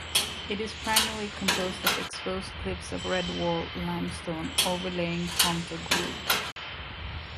It is primarily composed of exposed cliffs of Redwall Limestone overlaying Tonto Group.